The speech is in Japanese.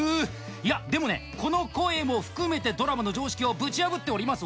いや、でもね、この声も含めてドラマの常識をぶち破っております